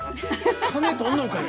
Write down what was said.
金取んのんかい？